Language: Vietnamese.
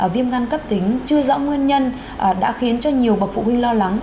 viêm gan cấp tính chưa rõ nguyên nhân đã khiến cho nhiều bậc phụ huynh lo lắng